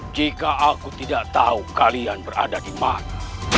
jika aku tidak tahu kalian berada di mana